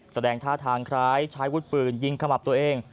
แสดงท่าทางคล้ายวุฒิปืนยิงขมับตัวเอง